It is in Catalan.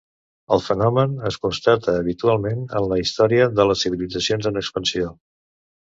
El fenomen es constata habitualment en la història de les civilitzacions en expansió.